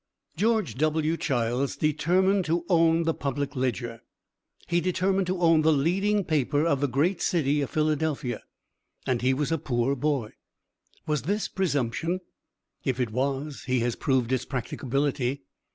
George W. Childs determined to own the Public Ledger. He determined to own the leading paper of the great city of Philadelphia, and he was a poor boy. Was this presumption? If it was he has proved its practicability.